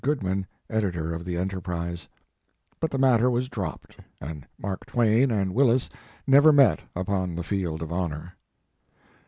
Goodman, editor of the Enterprise. But the matter was dropped, His Life and Work. 43 and Mark Twain and Willis never met upon the field of honor.